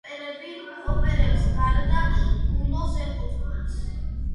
ოპერებს გარდა გუნოს ეკუთვნის სას.